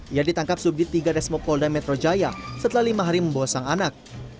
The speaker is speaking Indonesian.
ia ditangkap subjek tiga desmopoldai metro jaya setelah lima hari membawa sang anak